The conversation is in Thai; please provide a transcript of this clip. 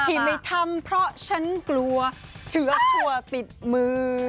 ที่ไม่ทำเพราะฉันกลัวเชื้อชั่วติดมือ